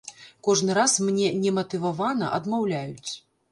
Кожны раз мне нематывавана адмаўляюць.